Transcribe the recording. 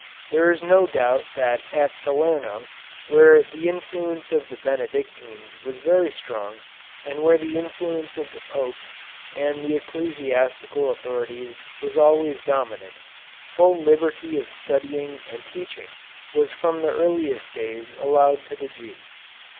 There is no doubt that at Salerno, where the influence of the Benedictines was very strong and where the influence of the Popes and the ecclesiastical authorities was always dominant, full liberty of studying and teaching was from the earliest days allowed to the Jews.